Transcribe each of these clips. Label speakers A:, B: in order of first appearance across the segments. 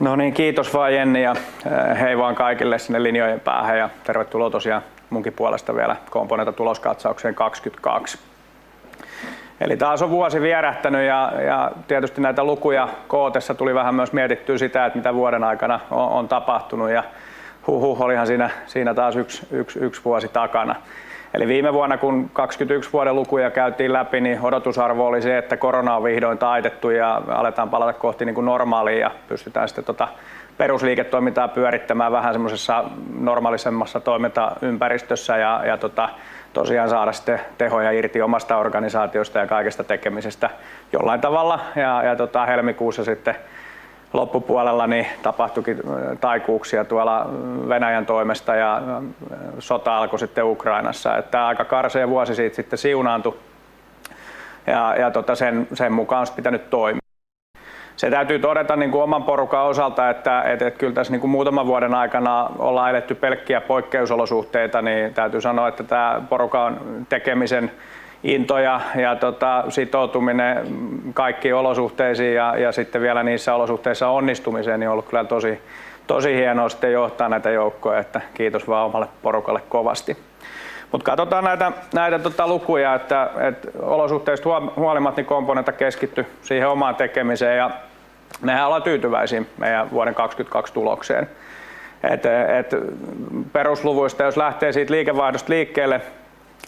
A: No niin kiitos vaan Jenni ja hei vaan kaikille sinne linjojen päähän ja tervetuloa tosiaan munkin puolesta vielä Componentan tuloskatsaukseen 2022. Taas on vuosi vierähtäny ja tietysti näitä lukuja kootessa tuli vähän myös mietittyä sitä, et mitä vuoden aikana on tapahtunu ja huh huh, olihan siinä taas 1 vuosi takana. Viime vuonna kun 2023 vuoden lukuja käytiin läpi, niin odotusarvo oli se, että korona on vihdoin taitettu ja aletaan palata kohti niiku normaalia ja pystytään sitten tota perusliiketoimintaa pyörittämään vähän semmosessa normaalisemmassa toimintaympäristössä. Tota tosiaan saada sitten tehoja irti omasta organisaatiosta ja kaikesta tekemisestä jollain tavalla. Tota helmikuussa sitten loppupuolella niin tapahtuiki taikuuksia tuolla Venäjän toimesta ja sota alko sitten Ukrainassa, että aika karsea vuosi siit sitten siunaantu ja tota sen mukaan on sit pitäny toimia. Se täytyy todeta niiku oman porukan osalta, että, et kyl täs niiku muutaman vuoden aikana ollaan eletty pelkkiä poikkeusolosuhteita, niin täytyy sanoa, että tää porukan tekemisen into ja tota sitoutuminen kaikkiin olosuhteisiin ja sitten vielä niissä olosuhteissa onnistumiseen niin on ollu kyllä tosi hienoo sitten johtaa näitä joukkueita. Kiitos vaan omalle porukalle kovasti. Katotaan näitä tota lukuja, että, et olosuhteista huolimatta niin Componenta keskitty siihen omaan tekemiseen. Mehän ollaan tyytyväisiä meijän vuoden 22 tulokseen, et perusluvuista jos lähtee siitä liikevaihdosta liikkeelle,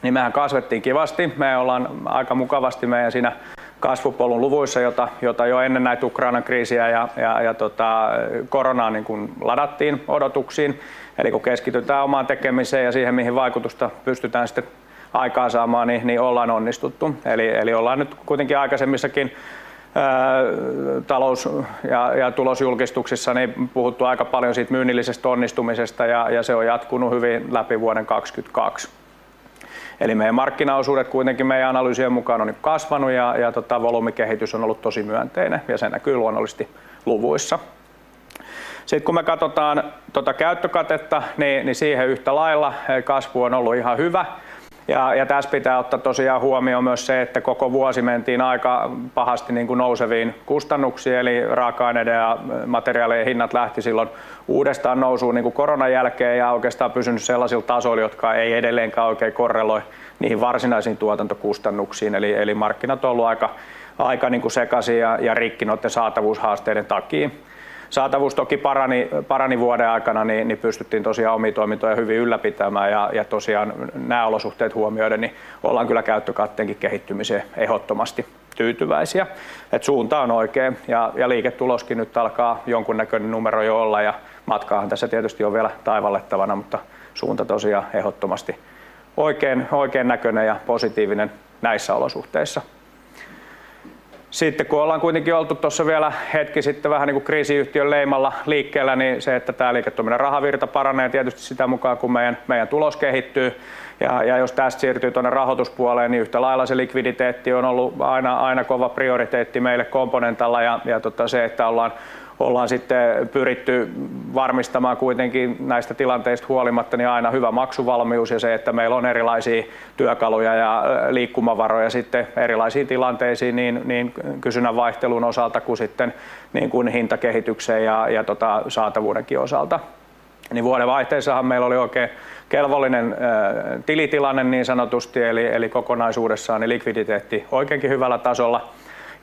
A: niin mehän kasvettiin kivasti. Me ollaan aika mukavasti meijän siinä kasvupolun luvuissa, jota jo ennen näit Ukrainan kriisiä ja tota koronaa niinkun ladattiin odotuksiin. Ku keskitytään omaan tekemiseen ja siihen mihin vaikutusta pystytään sitten aikaansaamaan, niin ollaan onnistuttu. Eli ollaan nyt kuitenkin aikaisemmissakin... talous- ja tulosjulkistuksissa niin puhuttu aika paljon siit myynnillisestä onnistumisesta ja se on jatkunu hyvin läpi vuoden 2022. Meidän markkinaosuudet kuitenkin meidän analyysien mukaan on kasvanu ja tuota volyymikehitys on ollu tosi myönteinen ja se näkyy luonnollisesti luvuissa. Kun me katotaan tuota käyttökatetta, niin siihen yhtä lailla kasvu on ollu ihan hyvä. Täs pitää ottaa tosiaan huomioon myös se, että koko vuosi mentiin aika pahasti niiku nouseviin kustannuksiin eli raaka-aineiden ja materiaalien hinnat lähti silloin uudestaan nousuun niiku koronan jälkeen ja oikeastaan pysyny sellaisil tasoilla, jotka ei edelleenkään oikein korreloi niihin varsinaisiin tuotantokustannuksiin. Markkinat on ollu aika niiku sekasin ja rikki noitten saatavuushaasteiden takii. Saatavuus toki parani vuoden aikana, niin pystyttiin tosiaan omia toimintoja hyvin ylläpitämään. Tosian nää olosuhteet huomioiden niin ollaan kyllä käyttökatteenki kehittymiseen ehdottomasti tyytyväisiä, et suunta on oikein ja liiketuloskin nyt alkaa jonkunnäkönen numero jo olla. Matkaahan tässä tietysti on vielä taivallettavana, mutta suunta tosiaan ehdottomasti oikeen näkönen ja positiivinen näissä olosuhteissa. Ku ollaan kuitenkin oltu tossa vielä hetki sitten vähän niiku kriisiyhtiön leimalla liikkeellä, niin se, että tää liiketuloksen rahavirta paranee tietysti sitä mukaa, kun meijän tulos kehittyy. Jos tästä siirtyy tuonne rahoituspuoleen, niin yhtä lailla se likviditeetti on ollut aina kova prioriteetti meille Componentalla ja se, että ollaan sitten pyritty varmistamaan kuitenkin näistä tilanteista huolimatta niin aina hyvä maksuvalmius ja se, että meillä on erilaisia työkaluja ja liikkumavaroja sitten erilaisiin tilanteisiin niin kysynnän vaihtelun osalta kuin sitten niin kuin hintakehityksen ja saatavuudenkin osalta, niin vuodenvaihteessahan meillä oli oikein kelvollinen tilitilanne niin sanotusti eli kokonaisuudessaan niin likviditeetti oikeinkin hyvällä tasolla.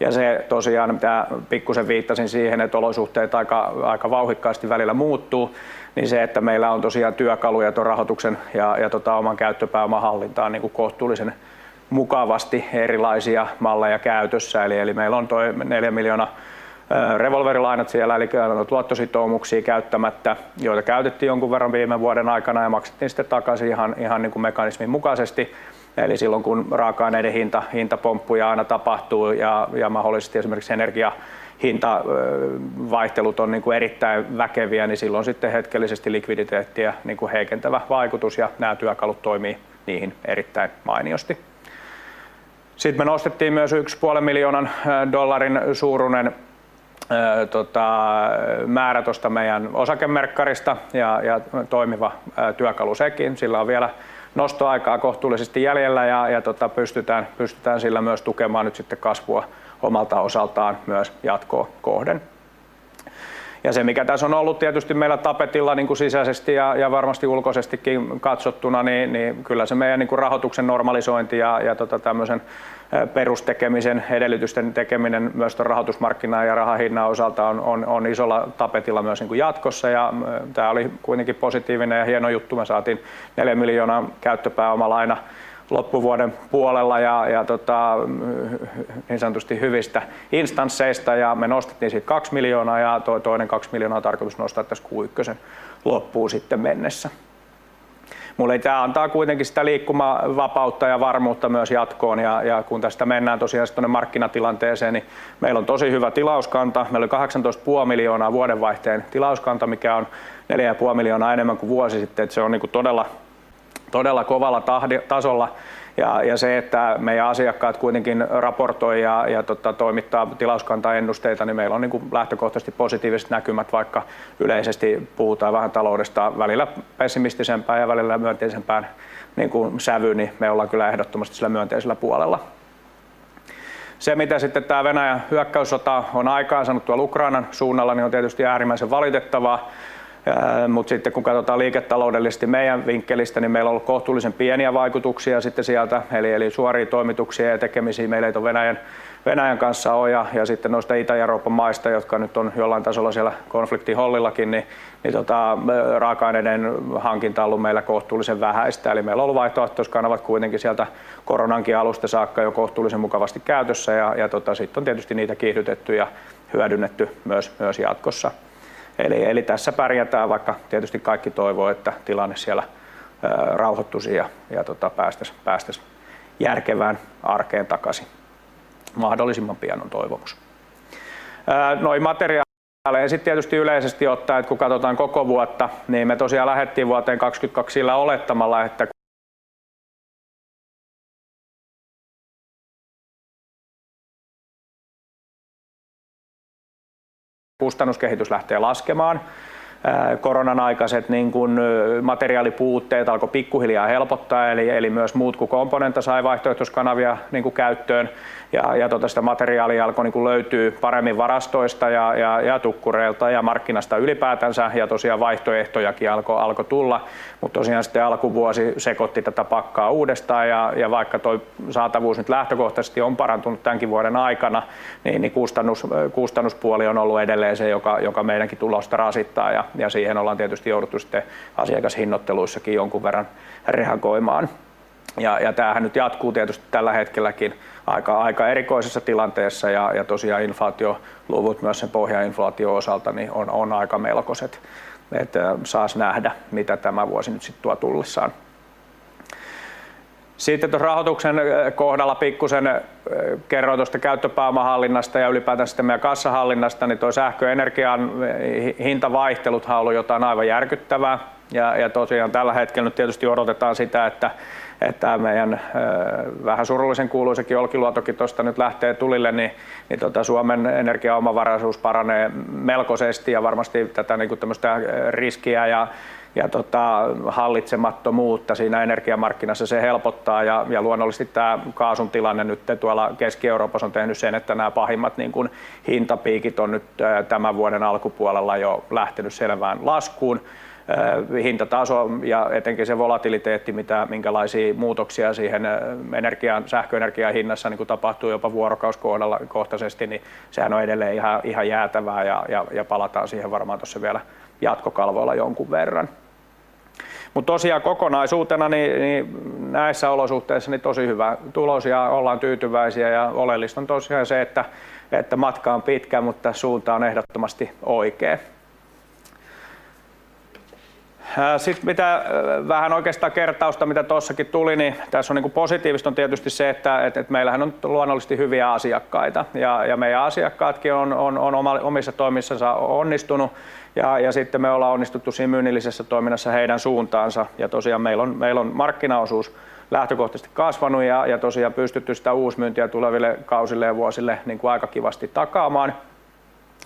A: Se tosiaan mitä pikkusen viittasin siihen, että olosuhteet aika vauhdikkaasti välillä muuttuvat, niin se, että meillä on tosiaan työkaluja tuon rahoituksen ja oman käyttöpääoman hallintaan niin kuin kohtuullisen mukavasti erilaisia malleja käytössä. Eli meillä on tuo 4 million revolverilainat siellä eli meillä on luottositoumuksia käyttämättä, joita käytettiin jonkun verran viime vuoden aikana ja maksettiin sitten takaisin niin kuin mekanismin mukaisesti. Silloin kun raaka-aineiden hinta hintapomppuja aina tapahtuu ja mahdollisesti esimerkiksi energian hintavaihtelut on niiku erittäin väkeviä, niin silloin sitten hetkellisesti likviditeettiä niiku heikentävä vaikutus ja nää työkalut toimii niihin erittäin mainiosti. Me nostettiin myös one half a million dollars suuruinen määrä tosta meidän osakemerkkarista. Toimiva työkalu sekin. Sillä on vielä nostoaikaa kohtuullisesti jäljellä ja pystytään sillä myös tukemaan nyt sitten kasvua omalta osaltaan myös jatkoa kohden. Se mikä tässä on ollu tietysti meillä tapetilla niiku sisäisesti ja varmasti ulkoisestikin katsottuna, niin kyllä se meidän niiku rahoituksen normalisointi ja tämmösen perustekemisen edellytysten tekeminen myös ton rahoitusmarkkinan ja rahan hinnan osalta on isolla tapetilla myös niiku jatkossa. Tää oli kuitenkin positiivinen ja hieno juttu. Me saatiin 4 million käyttöpääomalaina loppuvuoden puolella. niin sanotusti hyvistä instansseista, me nostettiin siit 2 miljoonaa ja toi toinen 2 miljoonaa on tarkotus nostaa täs Q ykkösen loppuun sitten mennessä. Mulle tää antaa kuitenkin sitä liikkumavapautta ja varmuutta myös jatkoon. Kun tästä mennään tosiaan sit tonne markkinatilanteeseen, niin meil on tosi hyvä tilauskanta. Meil oli 18.5 miljoonaa vuodenvaihteen tilauskanta, mikä on 4.5 miljoonaa enemmän ku vuosi sitten, et se on niiku todella kovalla tasolla. Se, että meijän asiakkaat kuitenkin raportoi ja toimittaa tilauskantaennusteita, niin meil on niiku lähtökohtasesti positiiviset näkymät, vaikka yleisesti puhutaan vähän taloudesta välillä pessimistisempään ja välillä myönteisempään niiku sävyyn, niin me ollaan kyllä ehdottomasti sillä myönteisellä puolella. Se mitä sitten tää Venäjän hyökkäyssota on aikaansaanut tuol Ukrainan suunnalla niin on tietysti äärimmäisen valitettavaa. Sitten kun katotaan liiketaloudellisesti meiän vinkkelistä, niin meillä on ollut kohtuullisen pieniä vaikutuksia sitten sieltä. Suorii toimituksia ja tekemisiä meillä ei oo Venäjän kanssa oo. Sitten noista Itä-Euroopan maista, jotka nyt on jollain tasolla siellä konfliktin hollillakin, niin tota raaka-aineiden hankinta on ollu meillä kohtuullisen vähäistä. Meillä on ollu vaihtoehtoiskanavat kuitenkin sieltä koronankin alusta saakka jo kohtuullisen mukavasti käytössä, ja tota sit on tietysti niitä kiihdytetty ja hyödynnetty myös jatkossa. Tässä pärjätään, vaikka tietysti kaikki toivoo, että tilanne siellä rauhoittusi ja tota päästäs järkevään arkeen takasi. Mahdollisimman pian on toivomus. Noi materiaalit. Sit tietysti yleisesti ottaen kun katotaan koko vuotta, niin me tosiaan lähettiin vuoteen 2022 sillä olettamalla, että Kustannuskehitys lähtee laskemaan. Koronan aikaset niin kun materiaalipuutteet alko pikkuhiljaa helpottaa. Myös muut ku Componenta sai vaihtoehtoiskanavia niinku käyttöön, ja tota sitä materiaalia alko niinku löytyy paremmin varastoista ja tukkureilta ja markkinasta ylipäätänsä. Tosiaan vaihtoehtojakin alko tulla. Tosiaan sitten alkuvuosi sekoitti tätä pakkaa uudestaan ja vaikka toi saatavuus nyt lähtökohtaisesti on parantunut tänkin vuoden aikana, niin kustannuspuoli on ollut edelleen se, joka meidänkin tulosta rasittaa ja siihen ollaan tietysti jouduttu sitten asiakashinnoitteluissakin jonkun verran rehakoimaan. Tämähän nyt jatkuu tietysti tällä hetkelläkin aika erikoisessa tilanteessa, ja tosiaan inflaatioluvut myös sen pohjainflaation osalta ni on aika melkoiset, et sais nähdä mitä tämä vuosi nyt sit tuo tullessaan. Tos rahoituksen kohdalla pikkusen kerroin tosta käyttöpääoman hallinnasta ja ylipäätänsä siitä meiän kassahallinnasta, ni toi sähköenergian hinta vaihteluthan on ollut jotain aivan järkyttävää. Tosiaan tällä hetkel nyt tietysti odotetaan sitä, että et tää meijän vähän surullisenkuuluisakin Olkiluotokin tosta nyt lähtee tulille, niin tota Suomen energiaomavaraisuus paranee melkoisesti. Varmasti tätä niinku tämmöstä riskiä ja tota hallitsemattomuutta siinä energiamarkkinassa se helpottaa. Luonnollisesti tää kaasun tilanne nytten tuolla Keski-Euroopassa on tehny sen, että nää pahimmat niin kun hintapiikit on nyt tämän vuoden alkupuolella jo lähteny selvään laskuun. Hintataso ja etenki se volatiliteetti minkälaisii muutoksia siihen energian sähköenergian hinnassa niinku tapahtuu jopa vuorokauskohdalla-kohtasesti, ni sehän on edelleen ihan jäätävää. Palataan siihen varmaan tossa vielä jatkokalvoilla jonkun verran. Tosiaan kokonaisuutena niin niin näissä olosuhteissa ni tosi hyvä tulos ja ollaan tyytyväisiä. Oleellist on tosiaan se, että matka on pitkä, mutta suunta on ehdottomasti oikein. Sit mitä vähän oikeastaan kertausta mitä tuossakin tuli, niin tässä on niinku positiivista on tietysti se, että meillähän on luonnollisesti hyviä asiakkaita ja meidän asiakkaatkin on omissa toimissansa onnistunut, ja sitten me ollaan onnistuttu siinä myynnillisessä toiminnassa heidän suuntaansa. Tosiaan meillä on markkinaosuus lähtökohtaisesti kasvanut ja tosiaan pystytty sitä uusmyyntiä tuleville kausille ja vuosille niinku aika kivasti takaamaan.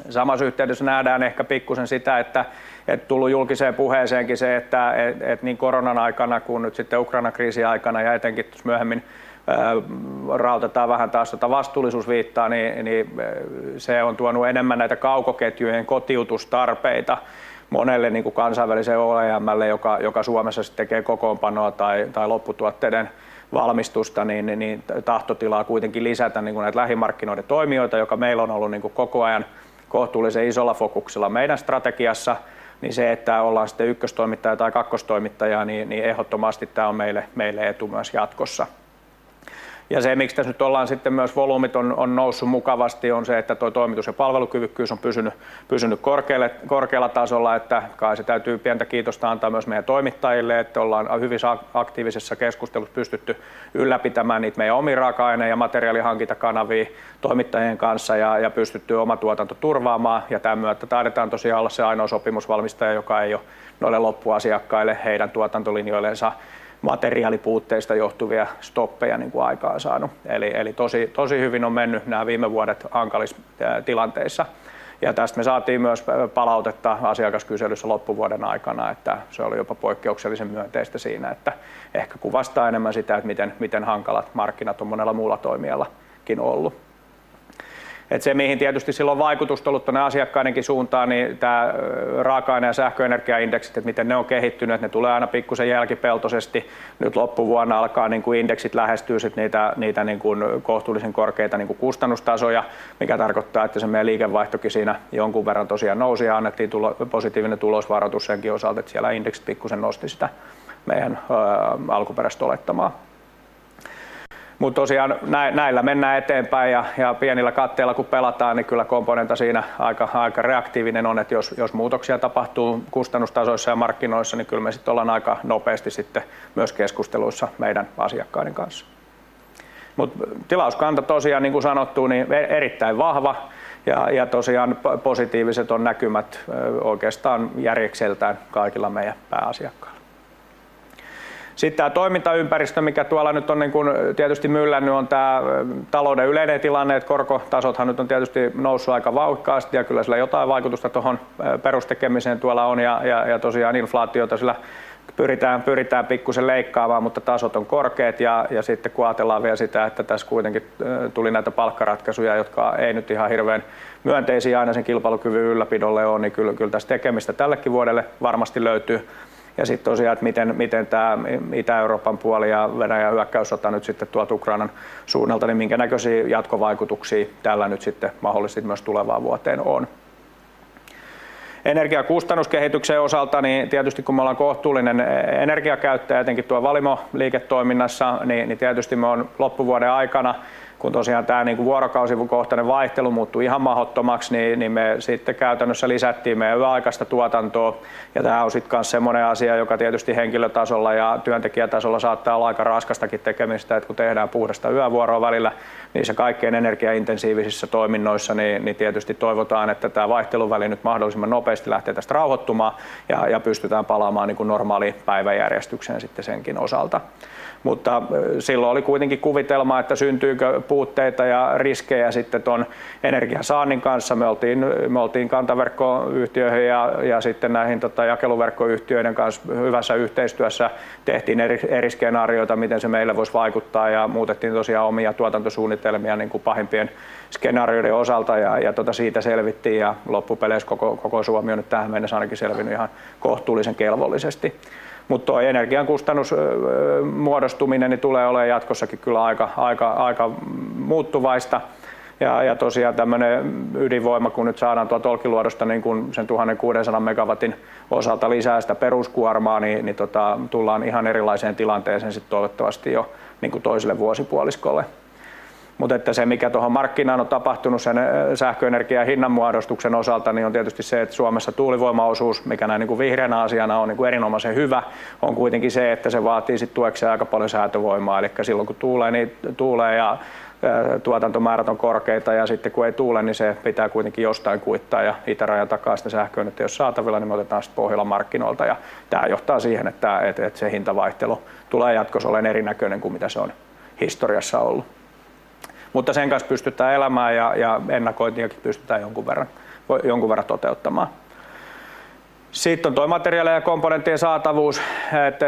A: Samassa yhteydessä nähdään ehkä pikkusen sitä, että et tullu julkiseen puheeseenkin se, että et niin koronan aikana kun nyt sitten Ukrainan kriisin aikana ja etenkin jos myöhemmin raotetaan vähän taas tota vastuullisuusviittaa, niin niin se on tuonu enemmän näitä kaukoketjujen kotiutustarpeita monelle niinku kansainväliselle OEM:lle, joka joka Suomessa sit tekee kokoonpanoa tai tai lopputuotteiden valmistusta, niin niin tahtotilaa kuitenkin lisätä niinku näit lähimarkkinoiden toimijoita, joka meil on ollu niinku koko ajan kohtuullisen isolla fokuksella meidän strategiassa, niin se, että ollaan sitten ykköstoimittaja tai kakkostoimittaja, niin niin ehottomasti tää on meille meille etu myös jatkossa. Se miks täs nyt ollaan sitten myös volyymit on noussu mukavasti on se, että toi toimitus- ja palvelukyvykkyys on pysyny korkealla tasolla, että kai se täytyy pientä kiitosta antaa myös meiän toimittajille, että ollaan hyvin aktiivisessa keskustelussa pystytty ylläpitämään niit meijän omii raaka-aine- ja materiaalihankintakanavii toimittajien kanssa ja pystytty oma tuotanto turvaamaan. Tän myötä taidetaan tosiaan olla se ainoo sopimusvalmistaja, joka ei oo noille loppuasiakkaille heidän tuotantolinjoillensa materiaalipuutteista johtuvia stoppeja niinku aikaan saanu. Eli tosi hyvin on menny nää viime vuodet hankalis tilanteissa, täst me saatiin myös palautetta asiakaskyselyssä loppuvuoden aikana, että se oli jopa poikkeuksellisen myönteistä siinä, että ehkä kuvastaa enemmän sitä, et miten hankalat markkinat on monella muulla toimijallakin ollu. Se mihin tietysti sil on vaikutust ollu tänne asiakkaidenki suuntaan, niin tää raaka-aine ja sähköenergiaindeksit, et miten ne on kehittyny, et ne tulee aina pikkusen jälkipeltosesti. Nyt loppuvuonna alkaa niinku indeksit lähestyy sit niitä niin kun kohtuullisen korkeita niinku kustannustasoja, mikä tarkottaa, että se meidän liikevaihtokin siinä jonkun verran tosiaan nousi ja annettiin positiivinen tulosvaroitus senkin osalta, et siellä indeksit pikkusen nosti sitä meiän alkuperäistä olettamaa. Tosiaan näillä mennään eteenpäin, ja pienillä katteilla ku pelataan, ni kyllä Componenta siinä aika reaktiivinen on, et jos jos muutoksia tapahtuu kustannustasoissa ja markkinoissa, ni kyl me sit ollaan aika nopeesti sitten myös keskusteluissa meidän asiakkaiden kanssa. Tilauskanta tosiaan niinku sanottu niin erittäin vahva, ja tosiaan positiiviset on näkymät oikeestaan järjekseltään kaikilla meiän pääasiakkailla. Tää toimintaympäristö, mikä tuolla nyt on niinku tietysti myllänny on tää talouden yleinen tilanne, et korkotasothan nyt on tietysti noussut aika vauhkasti ja kyllä sillä jotain vaikutusta tuohon perustekemiseen tuolla on. Tosiaan inflaatiota sillä pyritään pikkusen leikkaamaan, mutta tasot on korkeet. Sitten kun ajatellaan vielä sitä, että tässä kuitenkin tuli näitä palkkaratkaisuja, jotka ei nyt ihan hirveän myönteisiä aina sen kilpailukyvyn ylläpidolle ole, niin kyllä tässä tekemistä tällekin vuodelle varmasti löytyy. Sitten tosiaan, että miten tämä Itä-Euroopan puoli ja Venäjän hyökkäyssota nyt sitten tuolta Ukrainan suunnalta, niin minkä näköisiä jatkovaikutuksia tällä nyt sitten mahdollisesti myös tulevaan vuoteen on. Energiakustannuskehityksen osalta tietysti kun me olemme kohtuullinen energiakäyttäjä etenkin tuolla valimo-liiketoiminnassa, niin tietysti me olemme loppuvuoden aikana, kun tosiaan tämä niin kuin vuorokausikohtainen vaihtelu muuttui ihan mahdottomaksi, niin me sitten käytännössä lisättiin meidän yöaikaista tuotantoa. Tämä on sitten kanssa sellainen asia, joka tietysti henkilötasolla ja työntekijätasolla saattaa olla aika raskastakin tekemistä, että kun tehdään puhdasta yövuoroa välillä niin se kaikkein energiaintensiivisissä toiminnoissa, niin tietysti toivotaan, että tämä vaihteluväli nyt mahdollisimman nopeasti lähtee tästä rauhoittumaan ja pystytään palaamaan niin kuin normaaliin päiväjärjestykseen sitten senkin osalta. Silloin oli kuitenkin kuvitelma, että syntyykö puutteita ja riskejä sitten ton energiansaannin kanssa. Me oltiin kantaverkkoyhtiöiden ja sitten näihin tota jakeluverkkoyhtiöiden kans hyvässä yhteistyössä tehtiin eri skenaarioita, miten se meille voisi vaikuttaa ja muutettiin tosiaan omia tuotantosuunnitelmia niinku pahimpien skenaarioiden osalta. Siitä selvittiin. Loppupeleissä koko Suomi on nyt tähän mennessä ainakin selvinnyt ihan kohtuullisen kelvollisesti. Toi energian kustannus muodostuminen niin tulee oleen jatkossakin kyllä aika muuttuvaista. Tosiaan tämmönen ydinvoima kun nyt saadaan tuolta Olkiluodosta niin kun sen 1,600 megawatin osalta lisää sitä peruskuormaa, niin tota tullaan ihan erilaiseen tilanteeseen sit toivottavasti jo niinku toiselle vuosipuoliskolle. Että se mikä tohon markkinaan on tapahtunut sen sähköenergian hinnanmuodostuksen osalta, niin on tietysti se, että Suomessa tuulivoiman osuus, mikä näin niinku vihreänä asiana on niinku erinomaisen hyvä, on kuitenkin se, että se vaatii sitten tuekseen aika paljon säätövoimaa. Elikkä silloin kun tuulee niin tuulee ja tuotantomäärät on korkeita ja sitten kun ei tuule, niin se pitää kuitenkin jostain kuittaa ja itärajan takaa sitä sähköä nyt jos saatavilla, niin me otetaan sitten Pohjolan markkinoilta. Tää johtaa siihen, että se hintavaihtelu tulee jatkossa oleen erinäköinen kuin mitä se on historiassa ollut. Sen kanssa pystytään elämään ja ennakointiakin pystytään jonkun verran toteuttamaan. Sitten on tuo materiaalien ja komponenttien saatavuus, että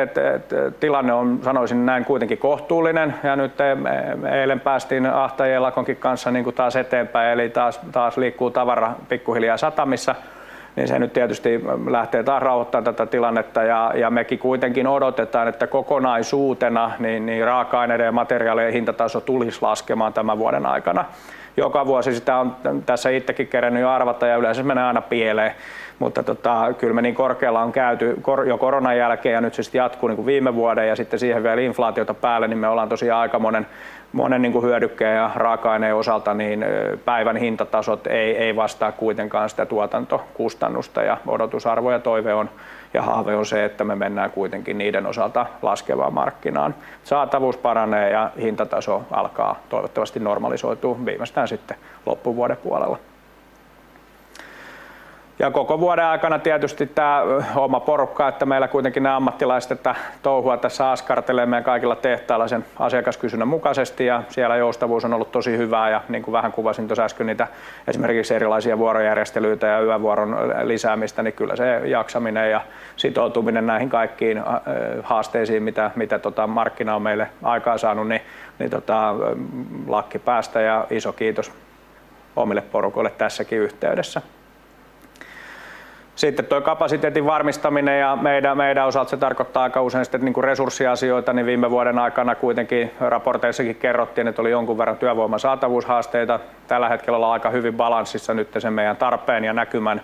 A: tilanne on sanoisin näin kuitenkin kohtuullinen. Nytten eilen päästiin ahtaajien lakonkin kanssa niinku taas eteenpäin. Taas liikkuu tavara pikkuhiljaa satamissa, niin se nyt tietysti lähtee taas rauhoittamaan tätä tilannetta ja mekin kuitenkin odotetaan, että kokonaisuutena niin raaka-aineiden ja materiaalien hintataso tulisi laskemaan tämän vuoden aikana. Joka vuosi sitä on tässä ittekki keränny jo arvata ja yleensä se menee aina pieleen. Kyllä me niin korkealla on käyty jo koronan jälkeen ja nyt se sitten jatkuu niinku viime vuoden ja sitten siihen vielä inflaatiota päälle, niin me ollaan tosiaan aikamonen niinku hyödykkeen ja raaka-aineen osalta niin päivän hintatasot ei vastaa kuitenkaan sitä tuotantokustannusta. Odotusarvo ja toive on ja haave on se, että me mennään kuitenkin niiden osalta laskevaan markkinaan, saatavuus paranee ja hintataso alkaa toivottavasti normalisoituu viimeistään sitten loppuvuoden puolella. Koko vuoden aikana tietysti tää oma porukka, että meillä kuitenkin nää ammattilaiset tätä touhua tässä askartelee meidän kaikilla tehtailla sen asiakaskysynnän mukaisesti ja siellä joustavuus on ollut tosi hyvää. Niinku vähän kuvasin tuossa äsken niitä esimerkiksi erilaisia vuorojärjestelyitä ja yövuoron lisäämistä, niin kyllä se jaksaminen ja sitoutuminen näihin kaikkiin haasteisiin mitä markkina on meille aikaan saanut, niin lakki päästä. Iso kiitos omille porukoille tässäkin yhteydessä. Tuo kapasiteetin varmistaminen ja meidän osalta se tarkoittaa aika usein sitten niinku resurssiasioita, niin viime vuoden aikana kuitenkin raporteissakin kerrottiin, että oli jonkun verran työvoiman saatavuushaasteita. Tällä hetkellä ollaan aika hyvin balanssissa nytten sen meidän tarpeen ja näkymän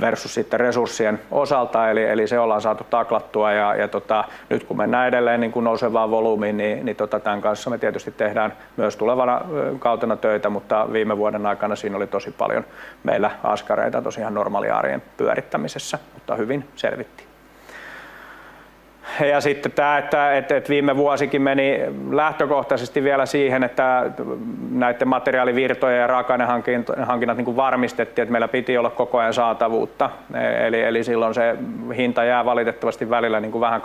A: versus sitten resurssien osalta. Eli se ollaan saatu taklattua ja nyt kun mennään edelleen niinku nousevaan volyymiin, niin tän kanssa me tietysti tehdään myös tulevana kautena töitä, mutta viime vuoden aikana siinä oli tosi paljon meillä askareita tosiaan normaaliarjen pyörittämisessä, mutta hyvin selvittiin. Sitten tää, että et viime vuosikin meni lähtökohtaisesti vielä siihen, että näitten materiaalivirtojen ja raaka-ainehankinnat niinku varmistettiin, että meillä piti olla koko ajan saatavuutta. Eli silloin se hinta jää valitettavasti välillä niinku vähän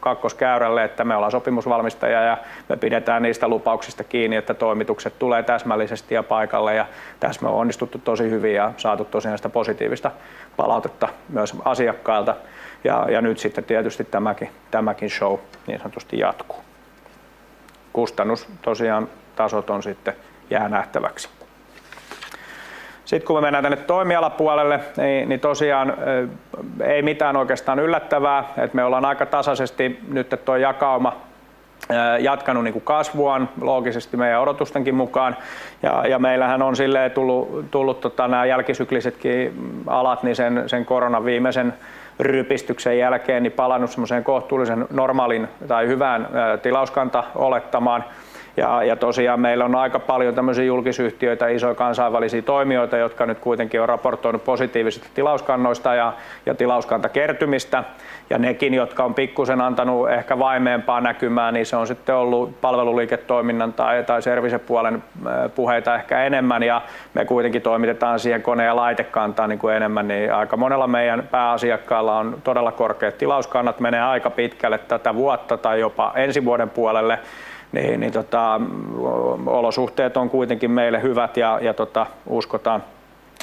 A: kakkoskäyrälle, että me ollaan sopimusvalmistaja ja me pidetään niistä lupauksista kiinni, että toimitukset tulee täsmällisesti ja paikalle. Täs me on onnistuttu tosi hyvin ja saatu tosiaan sitä positiivista palautetta myös asiakkailta. Nyt sitten tietysti tämäkin show niin sanotusti jatkuu. Kustannus tosiaan tasot on sitten, jää nähtäväksi. Kun me mennään tänne toimialapuolelle, niin tosiaan ei mitään oikeastaan yllättävää, et me ollaan aika tasaisesti nytten toi jakauma jatkanu niinku kasvuaan loogisesti meidän odotustenkin mukaan. Meillähän on silleen tullut nää jälkisyklisetkin alat niin sen koronan viimeisen rypistyksen jälkeen niin palannut semmoiseen kohtuullisen normaalin tai hyvään tilauskantaolettamaan. Tosiaan meillä on aika paljon tämmösiä julkisyhtiöitä, isoja kansainvälisiä toimijoita, jotka nyt kuitenkin on raportoinut positiivisista tilauskannoista ja tilauskantakertymistä. Nekin, jotka on pikkusen antanu ehkä vaimeempaa näkymää, niin se on sitten ollu palveluliiketoiminnan tai servicepuolen puheita ehkä enemmän ja me kuitenkin toimitetaan siihen kone- ja laitekantaan niinku enemmän, niin aika monella meidän pääasiakkaalla on todella korkeet tilauskannat. Menee aika pitkälle tätä vuotta tai jopa ensi vuoden puolelle, niin olosuhteet on kuitenkin meille hyvät ja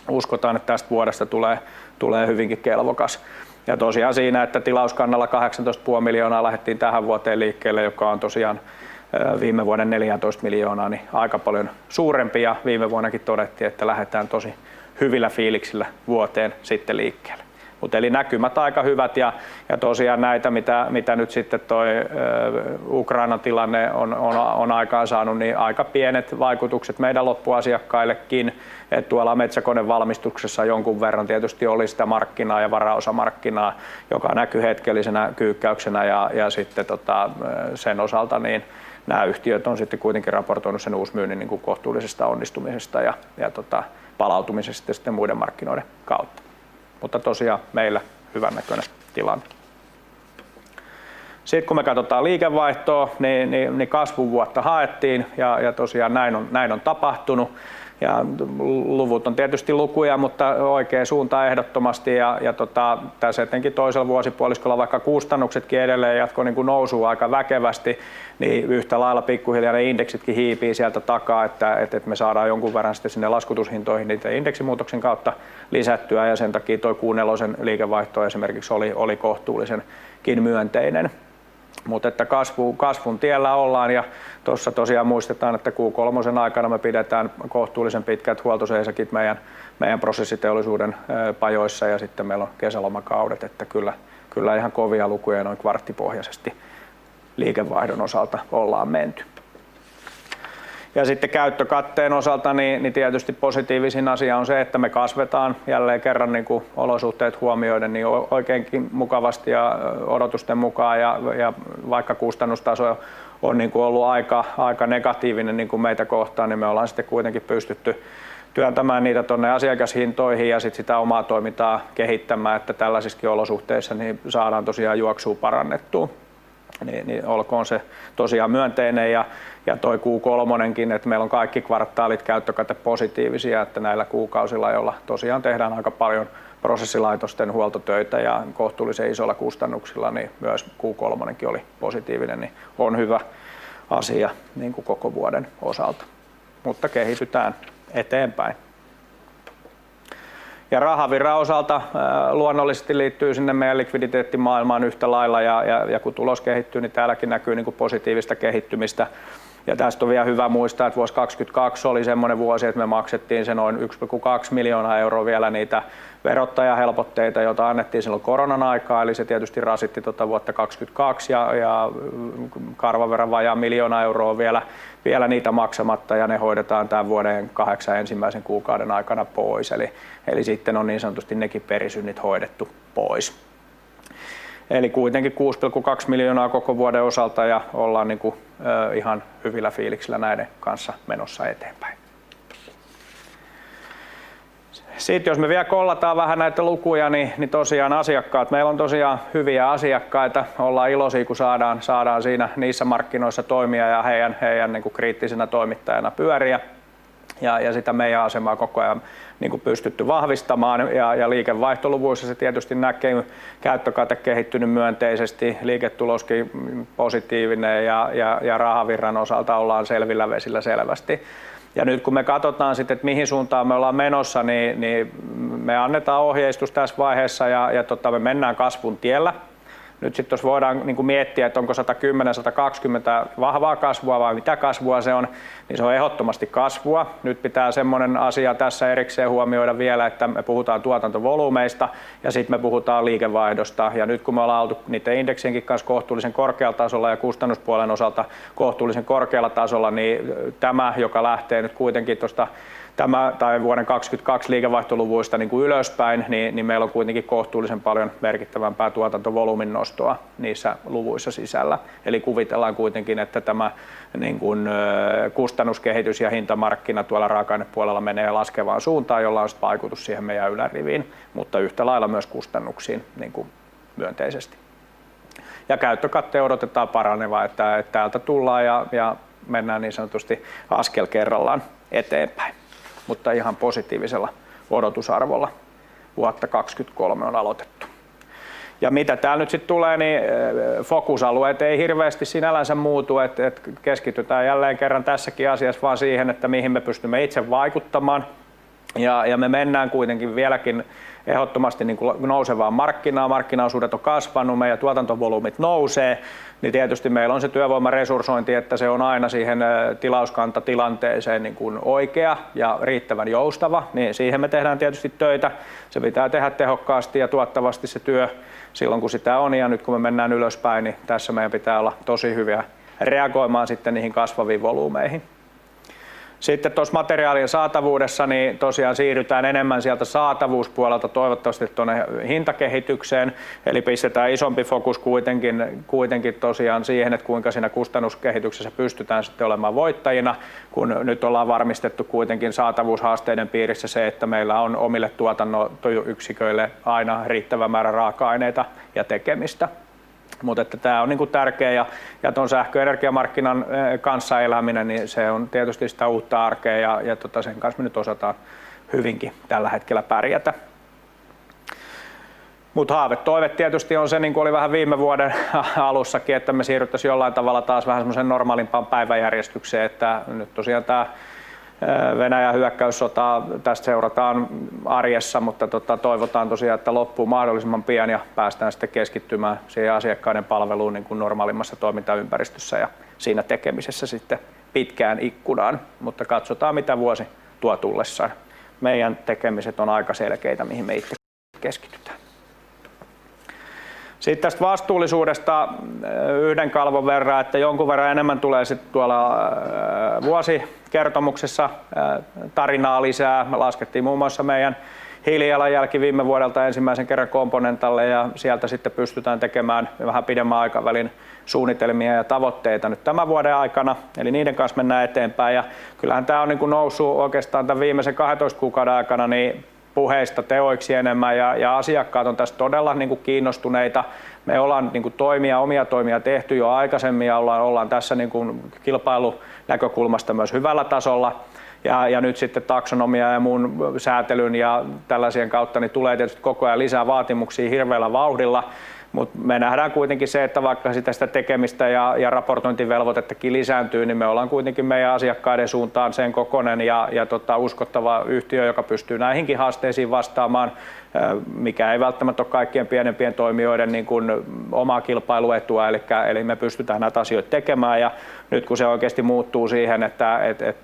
A: Uskotaan, että täst vuodesta tulee hyvinki kelvokas. Tosiaan siinä, että tilauskannalla 18.5 million lähettiin tähän vuoteen liikkeelle, joka on tosiaan viime vuoden 14 million, aika paljon suurempi. Viime vuonnakin todettiin, että lähetään tosi hyvillä fiiliksillä vuoteen sitten liikkeelle. Näkymät aika hyvät. Tosiaan näitä mitä nyt sitte toi Ukraina-tilanne on aikaan saanu, aika pienet vaikutukset meidän loppuasiakkaillekin. Tuolla metsäkonevalmistuksessa jonkun verran tietysti oli sitä markkinaa ja varaosamarkkinaa, joka näky hetkellisenä kyykkäyksenä. Sitte sen osalta nää yhtiöt on sitte kuitenkin raportoinu sen uusmyynnin kohtuullisesta onnistumisesta ja palautumisesta sitten muiden markkinoiden kautta. Tosiaan meillä hyvännäköinen tilanne. Kun me katotaan liikevaihtoo, kasvuvuotta haettiin. Tosiaan näin on tapahtunu. Luvut on tietysti lukuja, mutta oikeen suunta ehdottomasti. Täs etenkin toisella vuosipuoliskolla vaikka kustannuksetki edelleen jatko niinku nousuu aika väkevästi, niin yhtä lailla pikkuhiljaa ne indeksitki hiipii sieltä takaa, että, et me saadaan jonkun verran sitte sinne laskutushintoihin niitä indeksimuutoksen kautta lisättyä, ja sen takii toi Q nelosen liikevaihto esimerkiks oli kohtuullisenkin myönteinen. Kasvun tiellä ollaan. Tossa tosiaan muistetaan, että Q kolmosen aikana me pidetään kohtuullisen pitkät huoltoseisokit meidän prosessiteollisuuden pajoissa ja sitten meil on kesälomakaudet, että kyllä ihan kovia lukuja noin kvarttipohjasesti liikevaihdon osalta ollaan menty. Sitte käyttökatteen osalta, niin ni tietysti positiivisin asia on se, että me kasvetaan jälleen kerran niiku olosuhteet huomioiden niin oikeenki mukavasti ja odotusten mukaan. Vaikka kustannustaso on niiku ollu aika negatiivinen niiku meitä kohtaan, ni me ollaan sitte kuitenkin pystytty työntämään niitä tonne asiakashintoihin ja sit sitä omaa toimintaa kehittämään, että tällaisiski olosuhteissa niin saadaan tosiaan juoksuu parannettuu, niin olkoon se tosiaan myönteinen. Toi Q kolmonenkin, et meil on kaikki kvartaalit käyttökatepositiivisia, että näillä kuukausilla, joilla tosiaan tehdään aika paljon prosessilaitosten huoltotöitä ja kohtuullisen isoilla kustannuksilla, niin myös Q kolmonenki oli positiivinen, ni on hyvä asia niiku koko vuoden osalta. Kehitytään eteenpäin. Rahavirran osalta luonnollisesti liittyy sinne meidän likviditeettimaailmaan yhtä lailla. Ku tulos kehittyy, niin täälläki näkyy niiku positiivista kehittymistä. Täst on viä hyvä muistaa, et vuos 2022 oli semmonen vuosi, et me maksettiin se noin EUR 1.2 miljoonaa euroo vielä niitä verottajan helpotteita, joita annettiin silloin koronan aikaan. Se tietysti rasitti tota vuotta 2022. Ja karvan verran vajaa 1 million on vielä niitä maksamatta ja ne hoidetaan tän vuoden 8 ensimmäisen kuukauden aikana pois. Eli sitten on niin sanotusti nekin perisynnit hoidettu pois. Kuitenkin 6.2 million koko vuoden osalta. Ollaan niiku ihan hyvillä fiiliksillä näiden kanssa menossa eteenpäin. Jos me viä kollataan vähän näitä lukuja, niin tosiaan asiakkaat. Meil on tosiaan hyviä asiakkaita. Ollaan iloisii kun saadaan siinä niissä markkinoissa toimia ja heiän niiku kriittisenä toimittajana pyöriä, ja sitä meiän asemaa koko ajan niiku pystytty vahvistamaan. Liikevaihtoluvuissa se tietysti näkyy. Käyttökate kehittyny myönteisesti, liiketuloski positiivinen ja rahavirran osalta ollaan selvillä vesillä selvästi. Nyt kun me katotaan sit et mihin suuntaan me ollaan menossa, niin me annetaan ohjeistus täs vaiheessa, ja tota me mennään kasvun tiellä. Jos voidaan niin kuin miettiä, että onko 110, 120 vahvaa kasvua vai mitä kasvua se on, niin se on ehdottomasti kasvua. Pitää sellainen asia tässä erikseen huomioida vielä, että me puhutaan tuotantovolyymeista ja sitten me puhutaan liikevaihdosta. Kun me ollaan oltu niiden indeksienkin kanssa kohtuullisen korkealla tasolla ja kustannuspuolen osalta kohtuullisen korkealla tasolla, niin tämä, joka lähtee nyt kuitenkin tuosta, tämä tai vuoden 2022 liikevaihtoluvuista niin kuin ylöspäin, niin meillä on kuitenkin kohtuullisen paljon merkittävämpää tuotantovolyymin nostoa niissä luvuissa sisällä. Kuvitellaan kuitenkin, että tämä niin kuin kustannuskehitys ja hintamarkkina tuolla raaka-ainepuolella menee laskevaan suuntaan, jolla on sitten vaikutus siihen meidän yläriviin, mutta yhtä lailla myös kustannuksiin niin kuin myönteisesti. Käyttökatteen odotetaan paranevan, että täältä tullaan ja mennään niin sanotusti askel kerrallaan eteenpäin. Ihan positiivisella odotusarvolla vuotta 2023 on aloitettu. Mitä täällä nyt sit tulee, niin fokusalueet ei hirveesti sinällänsä muutu, et keskitytään jälleen kerran tässäkin asiassa vaan siihen, että mihin me pystymme itse vaikuttamaan. Me mennään kuitenkin vieläkin ehottomasti niinku nousevaan markkinaan. Markkinaosuudet on kasvanu, meidän tuotantovolyymit nousee, ni tietysti meil on se työvoimaresurssointi, että se on aina siihen tilauskantatilanteeseen niinkun oikea ja riittävän joustava, niin siihen me tehdään tietysti töitä. Se pitää tehä tehokkaasti ja tuottavasti se työ sillon kun sitä on. Nyt kun me mennään ylöspäin, niin tässä meiän pitää olla tosi hyviä reagoimaan sitten niihin kasvaviin volyymeihin. Tos materiaalien saatavuudessa niin tosiaan siirrytään enemmän sieltä saatavuuspuolelta toivottavasti tuonne hintakehitykseen. Pistetään isompi fokus kuitenkin tosiaan siihen, et kuinka siinä kustannuskehityksessä pystytään sitte olemaan voittajina, kun nyt ollaan varmistettu kuitenkin saatavuushaasteiden piirissä se, että meillä on omille tuotannoyksiköille aina riittävä määrä raaka-aineita ja tekemistä. Tää on niiku tärkee. Ton sähköenergiamarkkinan kanssa eläminen, niin se on tietysti sitä uutta arkee, ja tota sen kanssa me nyt osataan hyvinkin tällä hetkellä pärjätä. Haave toive tietysti on se niinku oli vähän viime vuoden alussakin, että me siirryttäis jollain tavalla taas vähän semmoseen normaalimpaan päiväjärjestykseen. Nyt tosiaan tää Venäjän hyökkäyssotaa tästä seurataan arjessa, mutta tota toivotaan tosiaan, että loppuu mahdollisimman pian ja päästään sitten keskittymään siihen asiakkaiden palveluun niin kun normaalimmassa toimintaympäristössä ja siinä tekemisessä sitten pitkään ikkunaan. Katsotaan mitä vuosi tuo tullessaan. Meidän tekemiset on aika selkeitä mihin me itse keskitytään. Tästä vastuullisuudesta yhden kalvon verran, että jonkun verran enemmän tulee sitten tuolla vuosikertomuksessa tarinaa lisää. Me laskettiin muun muassa meidän hiilijalanjälki viime vuodelta ensimmäisen kerran Componentalle ja sieltä sitten pystytään tekemään vähän pidemmän aikavälin suunnitelmia ja tavoitteita nyt tämän vuoden aikana. Niiden kanssa mennään eteenpäin. Kyllähän tää on niinku noussu oikeestaan tän viimesen 12 kuukauden aikana niin puheista teoiksi enemmän ja asiakkaat on täst todella niinku kiinnostuneita. Me ollaan niinku omia toimia tehty jo aikasemmin ja ollaan tässä niinkun kilpailunäkökulmasta myös hyvällä tasolla. Nyt sitte taksonomia ja muun säätelyn ja tällasien kautta ni tulee tietysti koko ajan lisää vaatimuksii hirveellä vauhdilla. Me nähdään kuitenkin se, että vaikka sitä tekemistä ja raportointivelvotekin lisääntyy, niin me ollaan kuitenkin meiän asiakkaiden suuntaan sen kokonen ja tota uskottava yhtiö, joka pystyy näihinki haasteisiin vastaamaan, mikä ei välttämät oo kaikkien pienempien toimijoiden niinkun omaa kilpailuetua. Eli me pystytään näit asioit tekemään. Nyt kun se oikeesti muuttuu siihen, että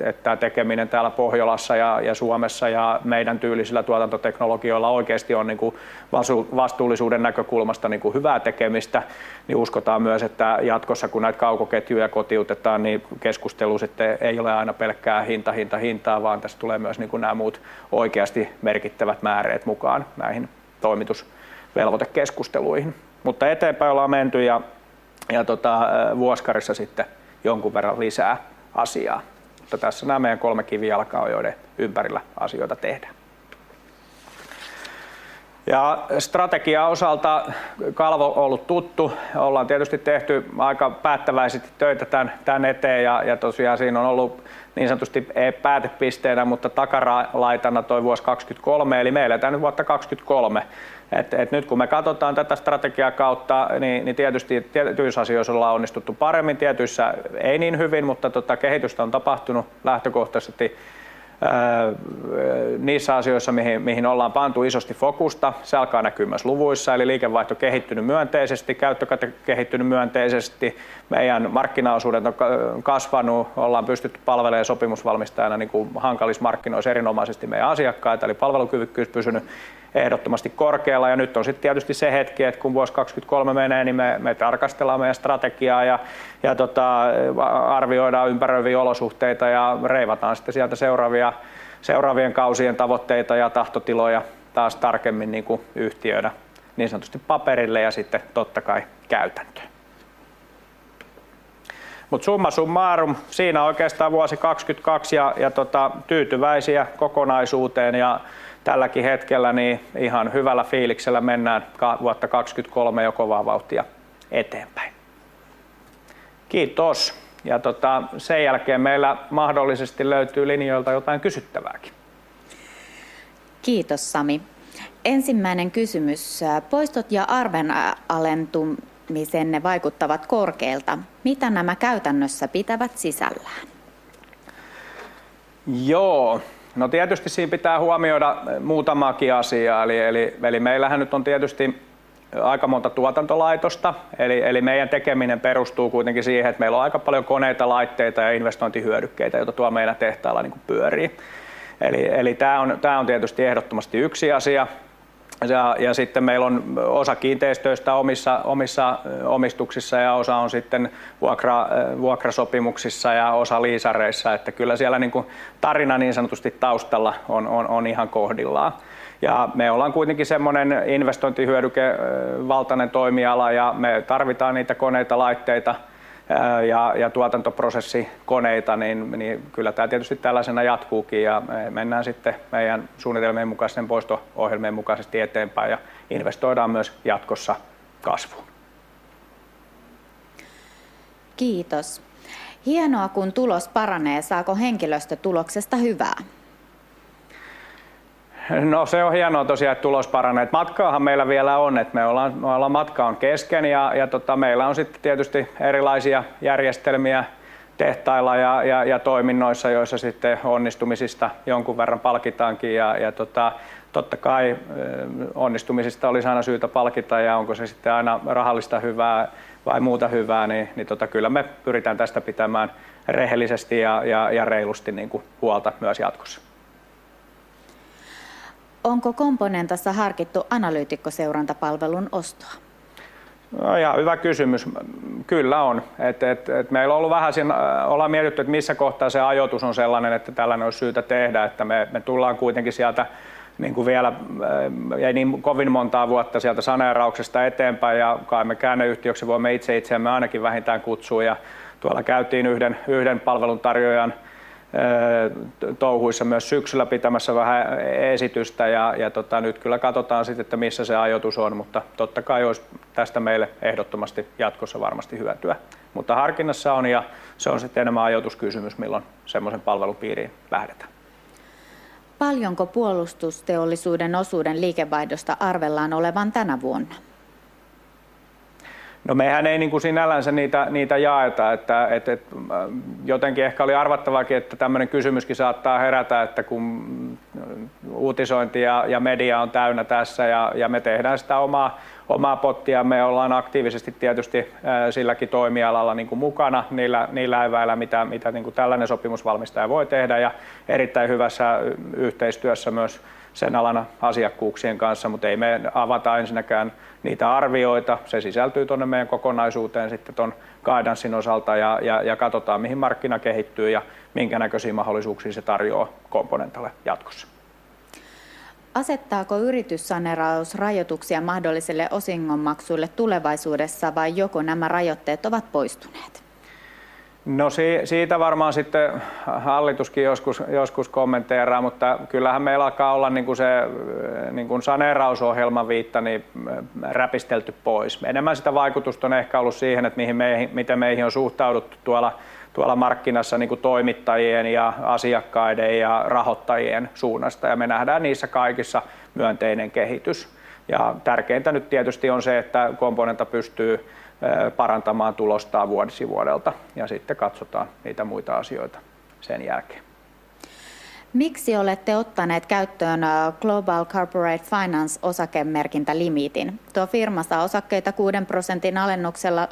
A: et tää tekeminen täällä Pohjolassa ja Suomessa ja meidän tyylisillä tuotantoteknologioilla oikeesti on niinku vastuullisuuden näkökulmasta niinku hyvää tekemistä, niin uskotaan myös, että jatkossa kun näit kaukoketjuja kotiutetaan, niin keskustelu sitte ei ole aina pelkkää hintaa, vaan täs tulee myös niinku nää muut oikeasti merkittävät määreet mukaan näihin toimitusvelvoitekeskusteluihin. Eteenpäin ollaan menty ja vuoskarissa sitte jonkun verran lisää asiaa. Tässä nää meiän kolme kivijalkaa, joiden ympärillä asioita tehdään. Strategian osalta kalvo ollut tuttu. Ollaan tietysti tehty aika päättäväisesti töitä tän eteen. Ja tosiaan siin on ollu niin sanotusti ei päätepisteenä, mutta takara-laitana toi vuos 2023. Eli me eletään nyt vuotta 2023. Nyt kun me katotaan tätä strategiakautta, niin tietysti tietyis asiois ollaan onnistuttu paremmin, tietyissä ei niin hyvin, mutta kehitystä on tapahtunu lähtökohtasesti... Niissä asioissa, mihin ollaan pantu isosti fokusta. Se alkaa näkyy myös luvuissa, eli liikevaihto kehittyny myönteisesti, käyttökate kehittyny myönteisesti, meiän markkinaosuudet on kasvanu, ollaan pystytty palvelee sopimusvalmistajana niinku hankalissa markkinoissa erinomaisesti meiän asiakkaita. Palvelukyvykkyys pysyny ehdottomasti korkealla. Nyt on sit tietysti se hetki, et kun vuosi 2023 menee, niin me tarkastellaan meiän strategiaa ja tota arvioidaan ympäröivii olosuhteita ja reivataan sitte sieltä seuraavia seuraavien kausien tavotteita ja tahtotiloja taas tarkemmin niinku yhtiönä niin sanotusti paperille. Sitte totta kai käytäntöön. Summa summarum siinä oikeestaan vuosi 2022 ja tota tyytyväisiä kokonaisuuteen ja tälläki hetkellä niin ihan hyvällä fiiliksellä mennään ka vuotta 2023 jo kovaa vauhtia eteenpäin. Kiitos! Tota sen jälkeen meillä mahdollisesti löytyy linjoilta jotain kysyttävääki.
B: Kiitos Sami. Ensimmäinen kysymys. Poistot ja arvonalentuminen vaikuttavat korkealta. Mitä nämä käytännössä pitävät sisällään?
A: Joo. Tietysti siin pitää huomioida muutamaki asia. Eli meillähän nyt on tietysti aika monta tuotantolaitosta, eli meiän tekeminen perustuu kuitenkin siihen, et meil on aika paljon koneita, laitteita ja investointihyödykkeitä, joita tuol meidän tehtailla niiku pyörii. Eli tää on tietysti ehdottomasti yksi asia. Ja sitten meil on osa kiinteistöistä omissa omistuksissa ja osa on sitten vuokrasopimuksissa ja osa liisareissa. Kyllä siellä niinku tarina niin sanotusti taustalla on ihan kohdillaan. Me ollaan kuitenkin semmonen investointihyödykevaltainen toimiala ja me tarvitaan niitä koneita, laitteita ja tuotantoprosessikoneita. Niin kyllä tää tietysti tällasena jatkuuki ja mennään sitte meiän suunnitelmien mukasen poisto-ohjelmien mukasesti eteenpäin ja investoidaan myös jatkossa kasvuun.
B: Kiitos! Hienoa kun tulos paranee. Saako henkilöstö tuloksesta hyvää?
A: Se on hienoa tosiaan, et tulos paranee, et matkaahan meillä vielä on, et me ollaan. Meillä matka on kesken ja tota meillä on sit tietysti erilaisia järjestelmiä tehtailla ja, ja toiminnoissa, joissa sitte onnistumisista jonkun verran palkitaanki. Totta kai onnistumisista olis aina syytä palkita. Onko se sitte aina rahallista hyvää vai muuta hyvää, niin tota kyllä me pyritään tästä pitämään rehellisesti ja reilusti niinku huolta myös jatkossa.
B: Onko Componentassa harkittu analyytikkoseurantapalvelun ostoa?
A: Jaa, hyvä kysymys. Kyllä on, että meillä on ollut vähäsen. Ollaan mietitty, että missä kohtaa se ajoitus on sellainen, että tällainen olisi syytä tehdä, että me tullaan kuitenkin sieltä niinku vielä ei niin kovin montaa vuotta sieltä saneerauksesta eteenpäin. Kai me käänneyhtiöksi voimme itse itseämme ainakin vähintään kutsua. Tuolla käytiin yhden palveluntarjoajan touhuissa myös syksyllä pitämässä vähän esitystä. Tuota nyt kyllä katsotaan sit, että missä se ajoitus on, mutta totta kai olisi tästä meille ehdottomasti jatkossa varmasti hyötyä. Harkinnassa on, ja se on sit enemmän ajoituskysymys, milloin semmosen palvelun piiriin lähdetään.
B: Paljonko puolustusteollisuuden osuuden liikevaihdosta arvellaan olevan tänä vuonna?
A: Mehän ei niinku sinällänsä niitä jaeta, että et jotenkin ehkä oli arvattavakin, että tämmönen kysymyskin saattaa herätä, että kun uutisointi ja media on täynnä tässä, ja me tehdään sitä omaa pottiamme, ja ollaan aktiivisesti tietysti silläkin toimialalla niinku mukana niillä eväillä mitä niinku tällainen sopimusvalmistaja voi tehdä ja erittäin hyvässä yhteistyössä myös sen alan asiakkuuksien kanssa. Ei me avata ensinnäkään niitä arvioita. Se sisältyy tuonne meidän kokonaisuuteen sitten ton guidancein osalta, ja katotaan mihin markkina kehittyy ja minkä näköisiä mahdollisuuksia se tarjoaa Componentalle jatkossa.
B: Asettaako yrityssaneeraus rajoituksia mahdollisille osingonmaksuille tulevaisuudessa vai joko nämä rajoitteet ovat poistuneet?
A: Siitä varmaan sitte hallituskin joskus kommenteraa. Kyllähän meillä alkaa olla niinku se niin kun saneerausohjelman viitta niin räpistelty pois. Enemmän sitä vaikutusta on ehkä ollu siihen, miten meihin on suhtauduttu tuolla markkinassa niinku toimittajien ja asiakkaiden ja rahoittajien suunnasta, ja me nähdään niissä kaikissa myönteinen kehitys. Tärkeintä nyt tietysti on se, että Componenta pystyy parantamaan tulostaan vuosi vuodelta, ja sitten katsotaan niitä muita asioita sen jälkeen.
B: Miksi olette ottaneet käyttöön Global Corporate Finance -osakemerkintälimiitin? Tuo firma saa osakkeita 6% alennuksella.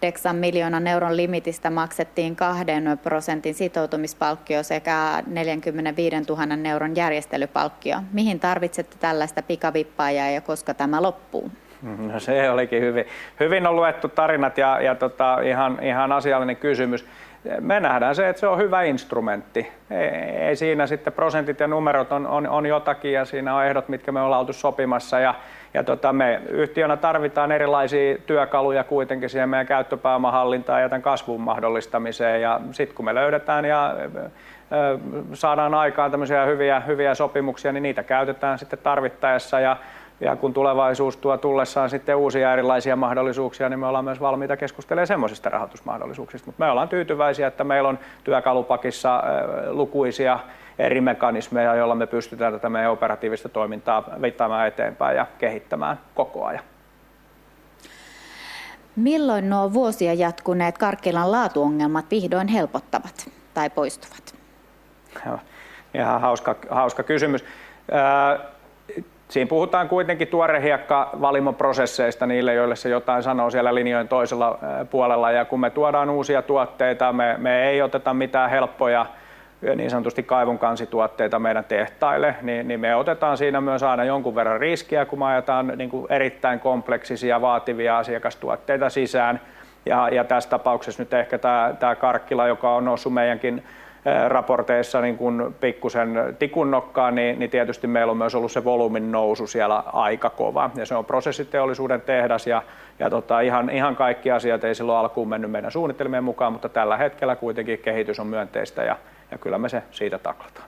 B: 8 million limiitistä maksettiin 2% sitoutumispalkkio sekä 45,000 järjestelypalkkio. Mihin tarvitsette tällaista pikavippaajaa ja koska tämä loppuu?
A: Se olikin hyvin. Hyvin on luettu tarinat. Ihan asiallinen kysymys. Me nähdään se, et se on hyvä instrumentti. Ei siinä sitten prosentit ja numerot on jotakin ja siinä on ehdot mitkä me ollaan oltu sopimassa, ja me yhtiönä tarvitaan erilaisia työkaluja kuitenkin siihen meidän käyttöpääoman hallintaan ja tämän kasvun mahdollistamiseen. Sit kun me löydetään ja saadaan aikaan tämmösiä hyviä sopimuksia, niin niitä käytetään sitten tarvittaessa. Kun tulevaisuus tuo tullessaan sitten uusia erilaisia mahdollisuuksia, niin me ollaan myös valmiita keskustella semmosista rahoitusmahdollisuuksista. Me ollaan tyytyväisiä, että meil on työkalupakissa lukuisia eri mekanismeja, joilla me pystytään tätä meiän operatiivista toimintaa viittaamaan eteenpäin ja kehittämään koko ajan.
B: Milloin nuo vuosia jatkuneet Karkkilan laatuongelmat vihdoin helpottavat tai poistuvat?
A: Joo, ihan hauska. Hauska kysymys. Siin puhutaan kuitenkin tuorehiekka valimoprosesseista niille joille se jotain sanoo siellä linjojen toisella puolella. Kun me tuodaan uusia tuotteita, me ei oteta mitään helppoja niin sanotusti kaivonkansituotteita meidän tehtaille, niin me otetaan siinä myös aina jonkun verran riskiä, kun me ajetaan niinku erittäin kompleksisia vaativia asiakastuotteita sisään. Täs tapaukses nyt ehkä tää Karkkila, joka on noussu meidänkin raporteissa niinkun pikkusen tikun nokkaan, niin tietysti meil on myös ollu se volyymin nousu siellä aika kova, ja se on prosessiteollisuuden tehdas, ja tota ihan kaikki asiat ei silloin alkuun menny meidän suunnitelmien mukaan, mutta tällä hetkellä kuitenkin kehitys on myönteistä ja kyllä me se siitä taklataan.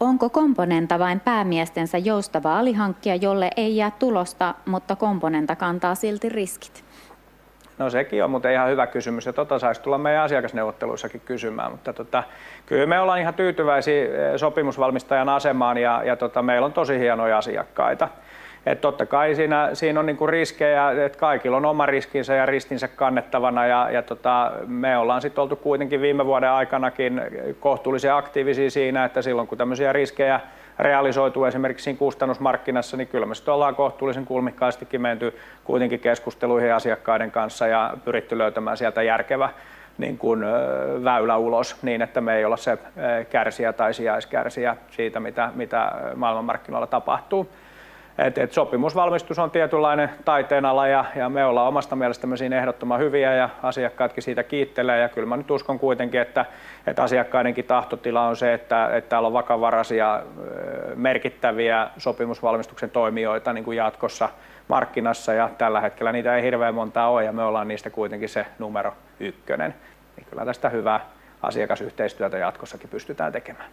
B: Onko Componenta vain päämiestensä joustava alihankkija, jolle ei jää tulosta, mutta Componenta kantaa silti riskit?
A: Sekin on muuten ihan hyvä kysymys ja sais tulla meidän asiakasneuvotteluissakin kysymään. Kyllä me ollaan ihan tyytyväisiä sopimusvalmistajan asemaan ja meillä on tosi hienoja asiakkaita. Totta kai siinä siinä on niin kuin riskejä, että kaikilla on oma riskinsä ja ristinsä kannettavana. Ja me ollaan sitten oltu kuitenkin viime vuoden aikanakin kohtuullisen aktiivisia siinä, että silloin kun tämmöisiä riskejä realisoituu esimerkiksi siinä kustannusmarkkinassa, niin kyllä me sitten ollaan kohtuullisen kulmikkaastikin menty kuitenkin keskusteluihin asiakkaiden kanssa ja pyritty löytämään sieltä järkevä niin kuin väylä ulos niin että me ei olla se kärsijä tai sijaiskärsijä siitä, mitä maailmanmarkkinoilla tapahtuu. Sopimusvalmistus on tietynlainen taiteenala, ja me ollaan omasta mielestämme siinä ehdottoman hyviä, ja asiakkaatkin siitä kiittelee. Kyl mä nyt uskon kuitenkin, että asiakkaidenki tahtotila on se, että täällä on vakavaraisia merkittäviä sopimusvalmistuksen toimijoita niinku jatkossa markkinassa, ja tällä hetkellä niitä ei hirveen montaa oo ja me ollaan niistä kuitenkin se numero ykkönen, ni kyllä tästä hyvää asiakasyhteistyötä jatkossakin pystytään tekemään.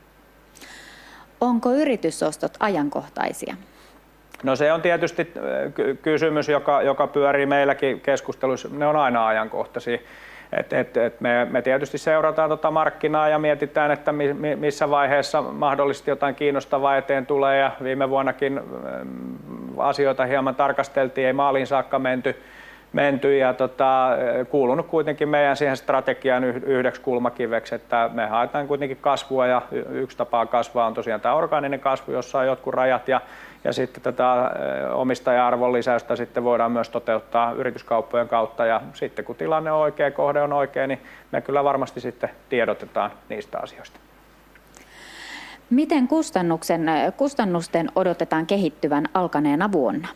B: Onko yritysostot ajankohtaisia?
A: No se on tietysti kysymys, joka pyörii meilläki keskusteluissa. Ne on aina ajankohtasia, että me tietysti seurataan tota markkinaa ja mietitään, että missä vaiheessa mahdollisesti jotain kiinnostavaa eteen tulee. Viime vuonnakin asioita hieman tarkasteltiin, ei maaliin saakka menty, ja tota kuulunu kuitenkin meiän siihen strategiaan yhdeks kulmakiveks, että me haetaan kuitenkin kasvua. Yks tapa kasvaa on tosiaan tää orgaaninen kasvu, jossa on jotkut rajat, ja sitten tätä omistaja-arvon lisäystä sitten voidaan myös toteuttaa yrityskauppojen kautta. Sitten kun tilanne on oikein, kohde on oikein, niin me kyllä varmasti sitten tiedotetaan niistä asioista.
B: Miten kustannusten odotetaan kehittyvän alkaneena vuonna?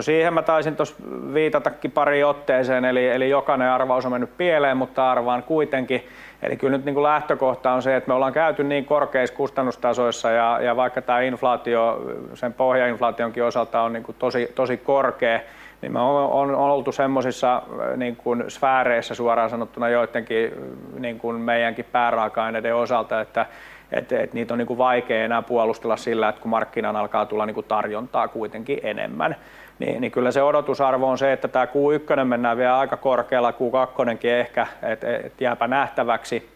A: Siihen mä taisin tos viitataki pariin otteeseen, eli jokainen arvaus on menny pieleen, mutta arvaan kuitenkin. Kyl nyt niinku lähtökohta on se, et me ollaan käyty niin korkeissa kustannustasoissa, ja vaikka tää inflaatio sen pohjainflaationkin osalta on niinku tosi korkee, niin me on oltu semmosissa niin kun sfääreissä suoraan sanottuna joittenkin meiänkin pääraaka-aineiden osalta, että et niit on niinku vaikee enää puolustella sillä, et ku markkinaan alkaa tulla niinku tarjontaa kuitenkin enemmän, niin kyllä se odotusarvo on se, että tää Q1 mennään vielä aika korkeella, Q2:kin ehkä, et jääpä nähtäväksi.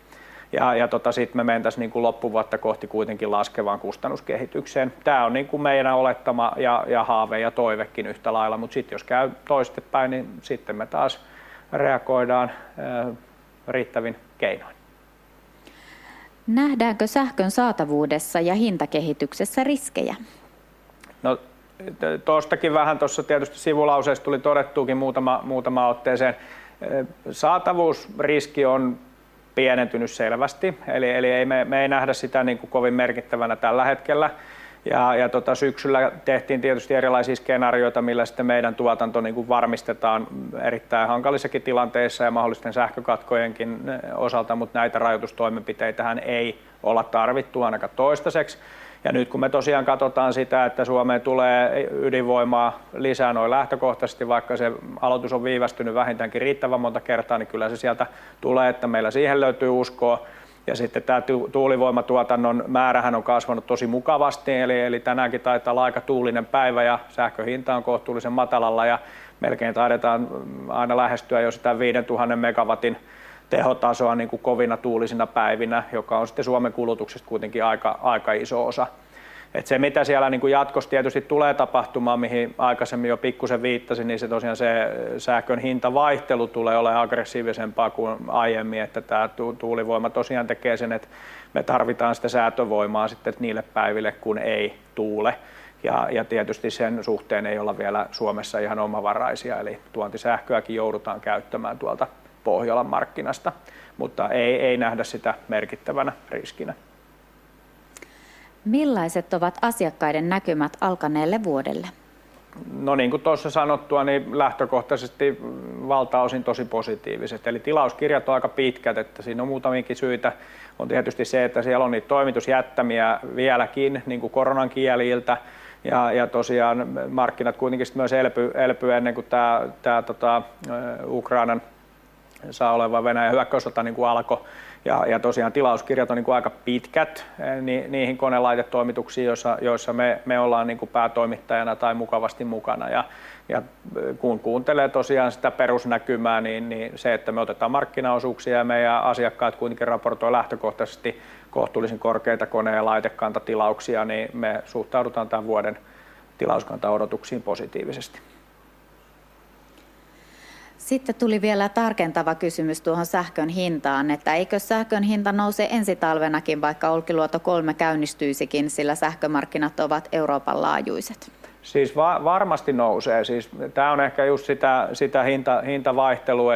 A: Tota sit me mentäis niinku loppuvuotta kohti kuitenkin laskevaan kustannuskehitykseen. Tää on niinku meidän olettama ja haave ja toivekin yhtä lailla, mut sit jos käy toiste päin, niin sitten me taas reagoidaan riittävin keinoin.
B: Nähdäänkö sähkön saatavuudessa ja hintakehityksessä riskejä?
A: Tuostakin vähän tuossa tietysti sivulauseessa tuli todettuukin muutama otteeseen. Saatavuusriski on pienentyny selvästi. Eli ei me ei nähdä sitä niinku kovin merkittävänä tällä hetkellä. Syksyllä tehtiin tietysti erilaisia skenaarioita, millä sitten meidän tuotanto niinku varmistetaan erittäin hankalissakin tilanteissa ja mahdollisten sähkökatkojenkin osalta, mutta näitä rajoitustoimenpiteitähän ei olla tarvittu ainakaan toistaiseks. Nyt kun me tosiaan katotaan sitä, että Suomeen tulee ydinvoimaa lisää noin lähtökohtasesti, vaikka se alotus on viivästyny vähintäänkin riittävän monta kertaa, niin kyllähän se sieltä tulee, että meillä siihen löytyy uskoo. Sitten tää tuulivoimatuotannon määrähän on kasvanu tosi mukavasti. Eli tänäänkin taitaa olla aika tuulinen päivä ja sähkön hinta on kohtuullisen matalalla ja melkein taidetaan aina lähestyä jo sitä 5,000 MW tehotasoa niinku kovina tuulisina päivinä, joka on sitten Suomen kulutuksesta kuitenkin aika iso osa. Se mitä siellä niinku jatkos tietysti tulee tapahtumaan, mihin aikaisemmin jo pikkusen viittasin, niin se tosiaan se sähkön hintavaihtelu tulee oleen aggressiivisempaa kuin aiemmin. Tää tuulivoima tosiaan tekee sen, et me tarvitaan sitä säätövoimaa sitten niille päiville kun ei tuule. Tietysti sen suhteen ei olla vielä Suomessa ihan omavaraisia, eli tuontisähköäkin joudutaan käyttämään tuolta Pohjolan markkinasta. Ei nähdä sitä merkittävänä riskinä.
B: Millaiset ovat asiakkaiden näkymät alkaneelle vuodelle?
A: Tuossa sanottua, niin lähtökohtaisesti valtaosin tosi positiiviset. Tilauskirjat on aika pitkät, että siinä on muutamiakin syitä. On tietysti se, että siellä on niitä toimitusjättämiä vieläkin niin kuin koronan jäljiltä. Tosiaan markkinat kuitenkin myös elpy ennen kuin tämä Ukrainassa oleva Venäjän hyökkäyssota niin kuin alkoi. Tosiaan tilauskirjat on niin kuin aika pitkät, niin niihin konelaitetoimituksiin, joissa me ollaan niin kuin päätoimittajana tai mukavasti mukana. Kun kuuntelee tosiaan sitä perusnäkymää, niin se, että me otetaan markkinaosuuksia ja meidän asiakkaat kuitenkin raportoi lähtökohtaisesti kohtuullisen korkeita kone- ja laitekantatilauksia, niin me suhtaudutaan tämän vuoden tilauskantaodotuksiin positiivisesti.
B: Tuli vielä tarkentava kysymys tuohon sähkön hintaan, että eikö sähkön hinta nouse ensi talvenakin, vaikka Olkiluoto 3 käynnistyisikin, sillä sähkömarkkinat ovat Euroopan laajuiset.
A: Varmasti nousee. Tää on ehkä just sitä hintavaihtelua.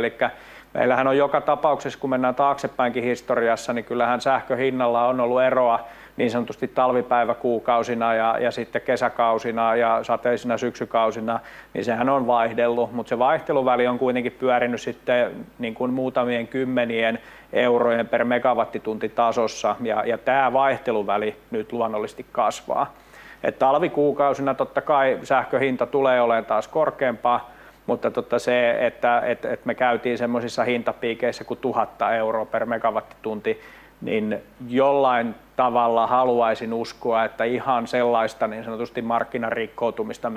A: Meillähän on joka tapauksessa kun mennään taaksepäinkin historiassa, niin kyllähän sähkön hinnalla on ollu eroa niin sanotusti talvipäiväkuukausina ja sitten kesäkausina ja sateisina syksykausina, niin sehän on vaihdellu, mut se vaihteluväli on kuitenkin pyöriny sitten niinkun muutamien kymmenien EUR per megawattitunti -tasossa ja tää vaihteluväli nyt luonnollisesti kasvaa. Talvikuukausina totta kai sähkön hinta tulee oleen taas korkeampaa, mutta se, että me käytiin semmosissa hintapiikeissä ku 1,000 EUR per megawattitunti, niin jollain tavalla haluaisin uskoa, että ihan sellaista niin sanotusti markkinarikkoutumista,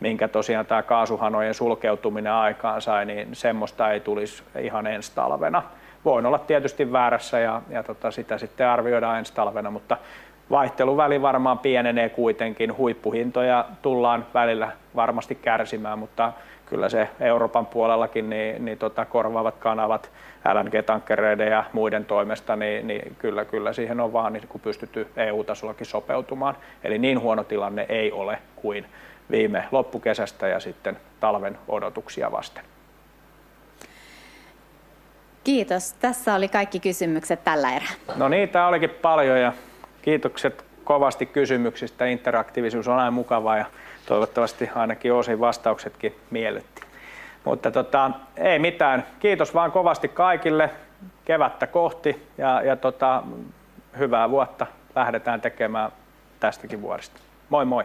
A: minkä tosiaan tää kaasuhanojen sulkeutuminen aikaansai, niin semmosta ei tulis ihan ens talvena. Voin olla tietysti väärässä ja sitä sitten arvioidaan ens talvena, mutta vaihteluväli varmaan pienenee kuitenkin. Huippuhintoja tullaan välillä varmasti kärsimään. Kyllä se Euroopan puolellakin niin korvaavat kanavat LNG-tankkereiden ja muiden toimesta, niin kyllä siihen on vaan niinku pystytty EU-tasollakin sopeutumaan. Niin huono tilanne ei ole kuin viime loppukesästä ja sitten talven odotuksia vasten.
B: Kiitos! Tässä oli kaikki kysymykset tällä erää.
A: Niitä olikin paljon. Kiitokset kovasti kysymyksistä. Interaktiivisuus on aina mukavaa ja toivottavasti ainakin osin vastauksetkin miellytti. Ei mitään. Kiitos vaan kovasti kaikille! Kevättä kohti ja hyvää vuotta. Lähdetään tekemään tästäkin vuodesta. Moi moi!